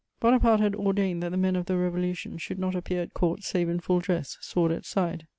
Bonaparte had ordained that the men of the Revolution should not appear at Court save in full dress, sword at side.